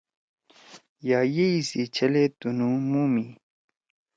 یأ ییئ سی چھلے تُنُو مُو می